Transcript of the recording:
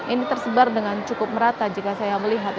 ini tersebar dengan cukup merata jika saya melihat